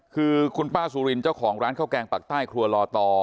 คือคุณป้าสุรินเจ้าของร้านข้าวแกงปักใต้ครัวลอตอ